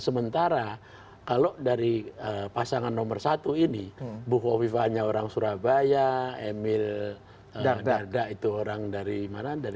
sementara kalau dari pasangan nomor satu ini bu hovivanya orang surabaya emil dardak itu orang dari mana